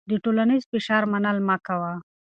د ټولنیز فشار منل مه کوه.